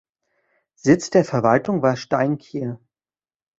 Sitz der Verwaltung war Steinkjer.